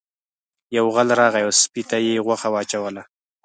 یو غل راغی او سپي ته یې غوښه واچوله.